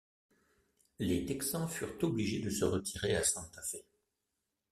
Les Texans furent obligés de se retirer à Santa Fe.